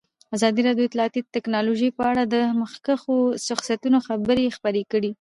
ازادي راډیو د اطلاعاتی تکنالوژي په اړه د مخکښو شخصیتونو خبرې خپرې کړي.